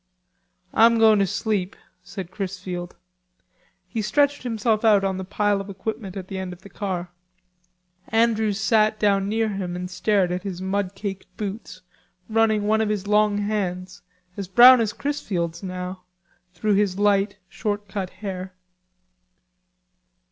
"Ah'm goin' to sleep," said Chrisfield. He stretched himself out on the pile of equipment at the end of the car. Andrews sat down near him and stared at his mud caked boots, running one of his long hands, as brown as Chrisfield's now, through his light short cut hair.